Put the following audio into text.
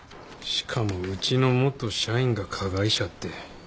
しかもうちの元社員が加害者って。